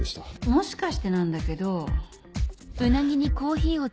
もしかしてなんだけど。